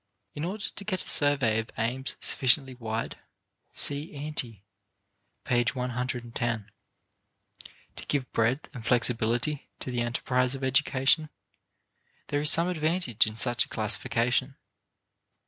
In order to get a survey of aims sufficiently wide (See ante, p. 110) to give breadth and flexibility to the enterprise of education, there is some advantage in such a classification.